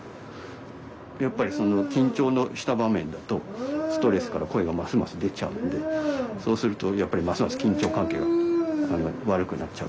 やっぱりその緊張した場面だとストレスから声がますます出ちゃうんでそうするとやっぱりますます緊張関係が悪くなっちゃう。